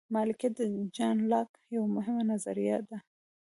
مالکیت د جان لاک یوه مهمه نظریه ده.